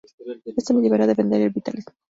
Este le llevará a defender el vitalismo.